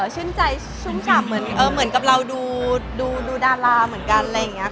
ชื่นใจชุ่มฉ่ำเหมือนกับเราดูดาราเหมือนกัน